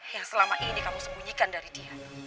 yang selama ini kamu sembunyikan dari dia